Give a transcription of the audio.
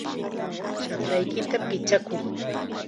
¡Shapraykita pichakuy!